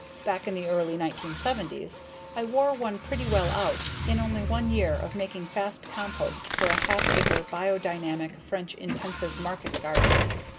Back in the early 1970s I wore one pretty well out in only one year of making fast compost for a half acre Biodynamic French intensive market garden.